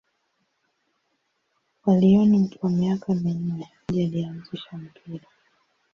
Kwa Lyon kwa miaka minne, alikuwa mchezaji aliyeanzisha mpira.